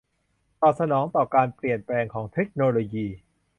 ตอบสนองต่อการเปลี่ยนแปลงของเทคโนโลยี